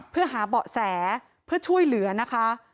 เพื่อหาเบาะแสเพื่อช่วยเหลือนะคะ